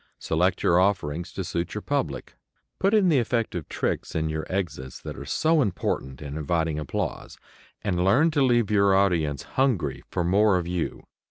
Select your offerings to suit your public. Put in the effective "tricks" in your exits that are so important in inviting applause. And learn to leave your audience "hungry" for more of you.